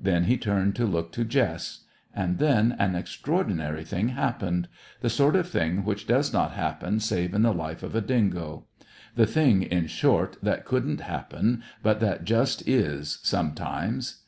Then he turned to look to Jess. And then an extraordinary thing happened; the sort of thing which does not happen save in the life of a dingo; the thing, in short, that couldn't happen, but that just is, sometimes.